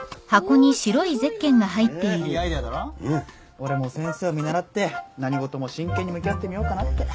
俺も先生を見習って何事も真剣に向き合ってみようかなって。